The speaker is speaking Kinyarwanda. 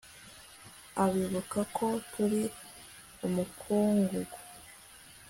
akibuka ko turi umukungugu